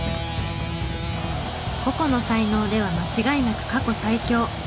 個々の才能では間違いなく過去最強。